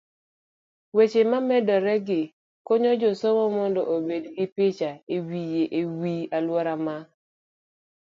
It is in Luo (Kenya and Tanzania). weche mamedoregi konyo jasomo mondo obed gi picha e wiye e wi aluora ma